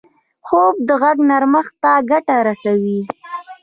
خوب د غږ نرمښت ته ګټه رسوي